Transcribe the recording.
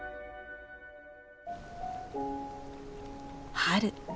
春。